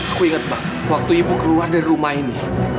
aku inget mak waktu ibu keluar dari rumah ini